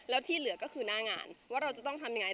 แล้วที่เหลือก็คือหน้างานว่าเราจะต้องทำยังไง